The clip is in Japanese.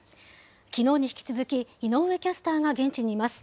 きのうに引き続き、井上キャスターが現地にいます。